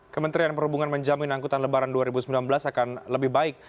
kementerian perhubungan menjamin angkutan lebaran dua ribu sembilan belas akan lebih baik